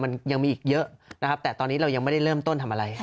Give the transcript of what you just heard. มันยังมีอีกเยอะนะครับแต่ตอนนี้เรายังไม่ได้เริ่มต้นทำอะไร